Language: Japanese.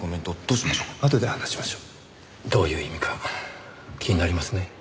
どういう意味か気になりますね。